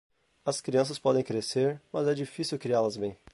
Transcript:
As crianças podem crescer, mas é difícil criá-las bem.